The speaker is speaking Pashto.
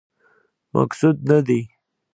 مقصود نه دی.